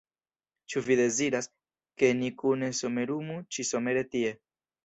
Ĉu vi deziras, ke ni kune somerumu ĉi-somere tie?